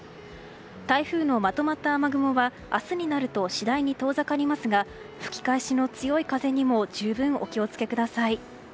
台風のまとまった雨雲は明日になると次第に遠ざかりますが吹き返しの強い風にも十分お気を付けください。